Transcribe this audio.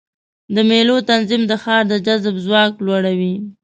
د مېلو تنظیم د ښار د جذب ځواک لوړوي.